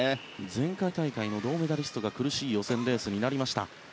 前回大会の銅メダリストが苦しい予選レースになりました。